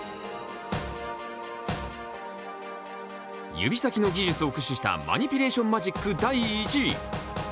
指先の技術を駆使したマニピュレーションマジック第１位。